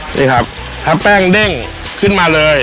นี่ครับถ้าแป้งเด้งขึ้นมาเลย